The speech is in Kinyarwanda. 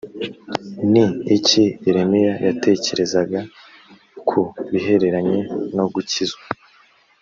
ni iki yeremiya yatekerezaga ku bihereranye no gukizwa‽